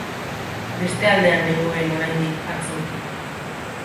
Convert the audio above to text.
Beste aldean nengoen oraindik atzo.